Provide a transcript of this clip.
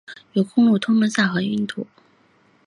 有公路通拉萨和印度。